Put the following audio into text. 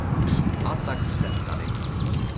A tak jsem tady.